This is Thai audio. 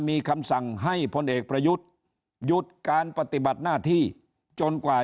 มีคำสั่งให้พลเอกประยุทธ์หยุดการปฏิบัติหน้าที่จนกว่า